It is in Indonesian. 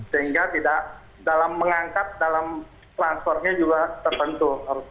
sehingga tidak dalam mengangkat dalam transfernya juga tertentu